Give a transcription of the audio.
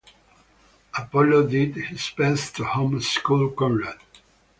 Apollo did his best to home-school Conrad.